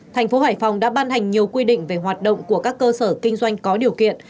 thành phố hải phòng đã ban hành nhiều quy định về hoạt động của các cơ sở kinh doanh có điều kiện